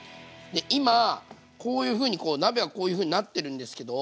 今こういうふうにこう鍋がこういうふうになってるんですけど。